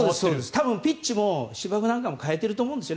多分ピッチも芝生なんかも変えていると思うんです。